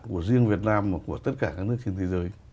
của riêng việt nam mà của tất cả các nước trên thế giới